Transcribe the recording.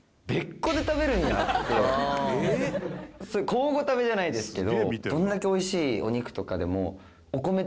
交互食べじゃないですけど。